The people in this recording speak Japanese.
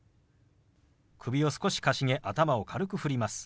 首を少しかしげ頭を軽く振ります。